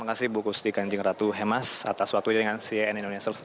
terima kasih bu kusti kanjeng ratu hemas atas waktunya dengan cnn indonesia